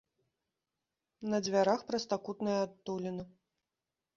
На дзвярах прастакутная адтуліна.